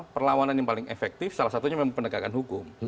perlawanan yang paling efektif salah satunya memang penegakan hukum